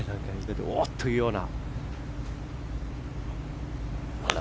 おー！というような。